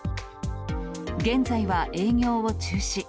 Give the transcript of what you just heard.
現在は営業を中止。